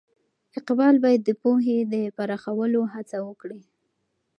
اقبال باید د پوهې د پراخولو هڅه وکړي.